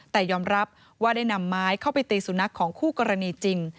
แต่ยอมรับว่าได้นำไม้เข้าไปตีสุนัขของคู่กรณีจริง